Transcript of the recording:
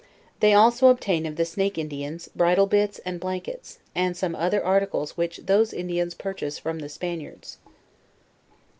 They also obtain of the Snake In dians, bridle bits, and blankets, and some other articles which those Indians purchase from from the Spaniards.